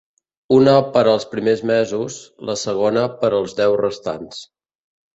Una per als primers mesos, la segona per als deu restants.